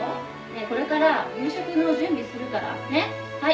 「これから夕食の準備するからねっはい」